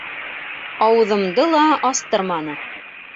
Ауыҙымды ла астырманы.